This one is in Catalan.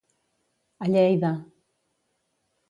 A llei de.